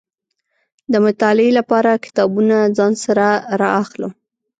د مطالعې لپاره کتابونه ځان سره را اخلم.